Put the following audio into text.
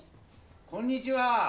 ・こんにちは。